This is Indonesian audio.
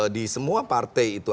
di semua partai itu